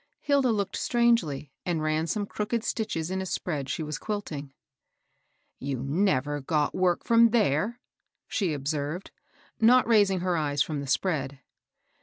Hilda looked strangely, and ran some crooked stitches in a spread she was quilting. "You never got work from there," she ob served, not raising her eyes from the spread.